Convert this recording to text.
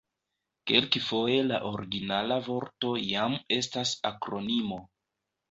Kelkfoje la originala vorto jam estas akronimo.